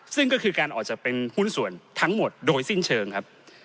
ซึ่งก็คือการออกจากเป็นหุ้นส่วนทั้งหมดโดยสิ้นเชิงครับ